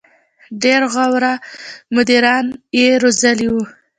• ډېری غوره مدیران یې روزلي وو.